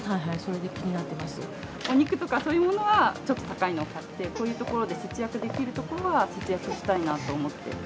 お肉とか、そういうものはちょっと高いのを買って、こういうところで節約できるところは、節約したいなと思って。